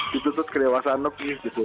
ditutup kelewasan gitu